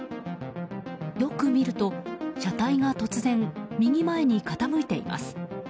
よく見ると車体が突然、右前に傾いています。